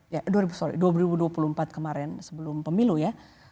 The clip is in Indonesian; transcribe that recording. ya sorry dua ribu dua puluh empat kemarin sebelum pemilu ya